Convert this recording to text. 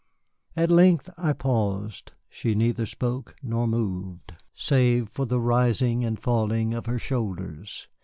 At length I paused. She neither spoke, nor moved save for the rising and falling of her shoulders.